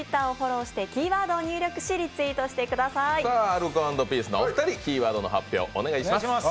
アルコ＆ピースのお二人、キーワードの発表をお願いします。